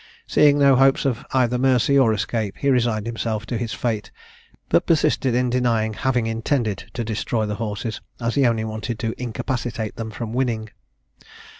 Seeing no hopes of either mercy or escape, he resigned himself to his fate, but persisted in denying having intended to destroy the horses, as he only wanted to incapacitate them from winning.